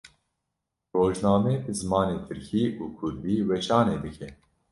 Rojname bi zimanê Tirkî û Kurdî weşanê dike.